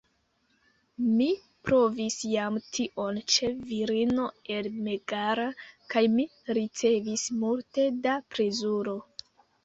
Mi provis jam tion ĉe virino el Megara, kaj mi ricevis multe da plezuro.